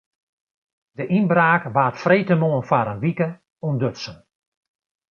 De ynbraak waard freedtemoarn foar in wike ûntdutsen.